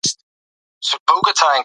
د سپارښت لیکونو چمتو کول مه هیروئ.